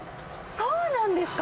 そうなんですか。